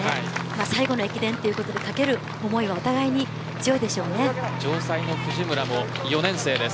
最後の駅伝ということで懸ける思いは城西の藤村は４年生です。